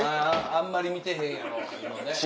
「あんまり見てへんやろ」ってので。